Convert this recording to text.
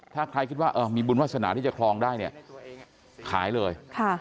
ถ้าใครคิดว่ามีบุญวาสนาที่จะครองได้เนี่ยขายเลย